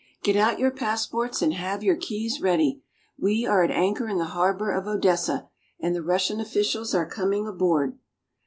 GET out your passports and have your keys ready! We are at anchor in the harbor of Odessa, and the Russian officials are coming aboard.